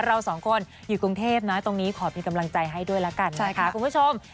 เราสองคนอยู่กรุงเทพนะตรงนี้ขอเป็นกำลังใจให้ด้วยละกันนะคะคุณผู้ชม